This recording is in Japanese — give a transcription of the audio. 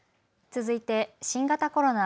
続いて新型コロナ